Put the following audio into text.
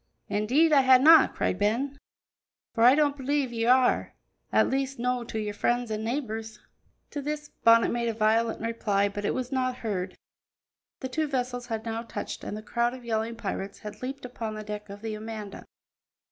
"Indeed I hae no'," cried Ben, "for I don't believe ye are are; at least, no' to your friends an' neebours." To this Bonnet made a violent reply, but it was not heard. The two vessels had now touched and the crowd of yelling pirates had leaped upon the deck of the Amanda.